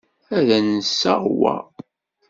Ad d-nseɣ wa.